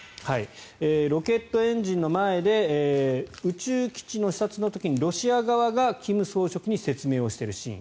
ロケットエンジンの前で宇宙基地の視察の時にロシア側が金総書記に説明をしているシーン。